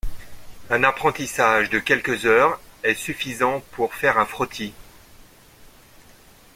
Un apprentissage de quelques heures est suffisant pour faire un frottis.